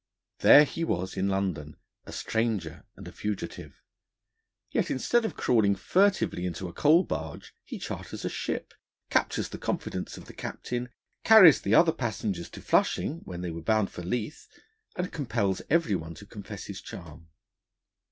There was he in London, a stranger and a fugitive; yet instead of crawling furtively into a coal barge he charters a ship, captures the confidence of the captain, carries the other passengers to Flushing, when they were bound for Leith, and compels every one to confess his charm!